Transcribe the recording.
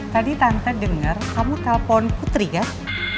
tadi tante denger kamu telfon putri gak